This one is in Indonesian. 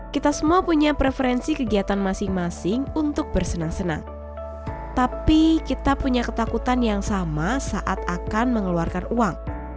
kita semua punya preferensi kegiatan masing masing untuk bersenang senang tapi kita punya ketakutan yang sama saat akan mengeluarkan uang